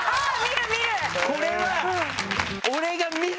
これは。